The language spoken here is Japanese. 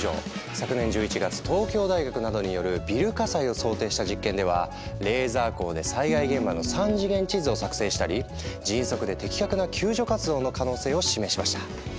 昨年１１月東京大学などによるビル火災を想定した実験ではレーザー光で災害現場の３次元地図を作成したり迅速で的確な救助活動の可能性を示しました。